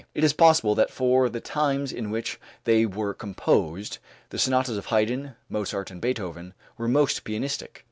It is possible that for the times in which they were composed, the sonatas of Haydn, Mozart and Beethoven were most pianistic.